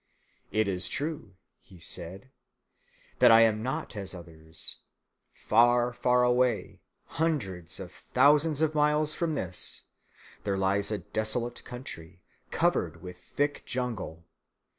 "It is true," he said, "that I am not as others. Far, far away, hundreds of thousands of miles from this, there lies a desolate country covered with thick jungle.